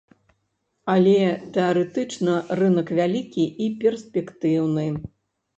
Але тэарэтычна рынак вялікі і перспектыўны.